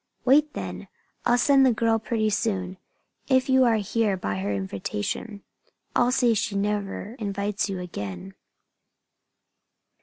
"Wait then! I'll send the girl pretty soon, if you are here by her invitation. I'll see she never invites you again."